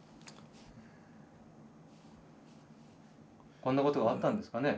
こんなことがあったんですかね。